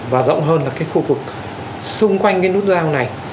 và rộng hơn là cái khu vực xung quanh cái nút giao này